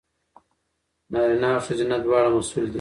نارینه او ښځینه دواړه مسوول دي.